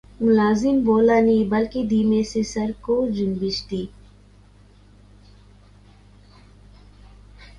ملازم بولا نہیں بلکہ دھیمے سے سر کو جنبش دی